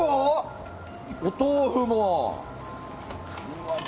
お豆腐も。